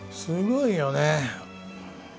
すごいよね。